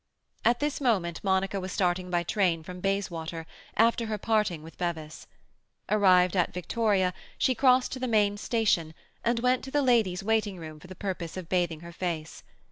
At this moment Monica was starting by train from Bayswater, after her parting with Bevis. Arrived at Victoria, she crossed to the main station, and went to the ladies' waiting room for the purpose of bathing her face.